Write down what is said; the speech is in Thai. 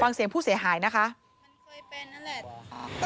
ฟังเสียงผู้เสียหายนะคะมันเคยเป็นนั่นแหละค่ะ